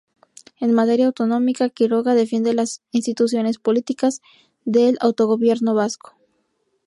En materia autonómica, Quiroga defiende las instituciones políticas del autogobierno vasco.